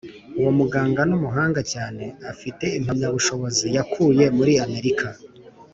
uwo muganga numuhanga cyane afite impamya bushobozi yakuye muri amerika